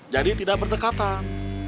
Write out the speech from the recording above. jadi tidak berdekatan